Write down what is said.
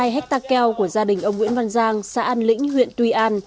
một hai hectare keo của gia đình ông nguyễn văn giang xã an lĩnh huyện tuy an